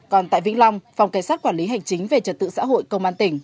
còn tại vĩnh long phòng cảnh sát quản lý hành chính về trật tự xã hội công an tỉnh